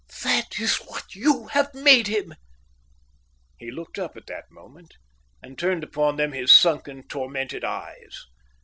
"That is what you have made him." He looked up at that moment and turned upon them his sunken, tormented eyes.